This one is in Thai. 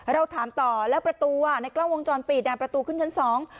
เราถามต่อแล้วประตูอ่ะในกล้องวงจรปิดอ่ะประตูขึ้นชั้นสอง